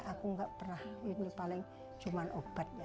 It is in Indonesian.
aku nggak pernah ini paling cuma obat ya